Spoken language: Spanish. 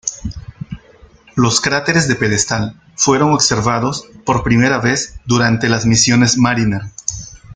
Los cráteres de pedestal fueron observados por primera vez durante las misiones Mariner.